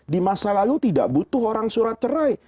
di masa lalu tidak butuh orang surat cerai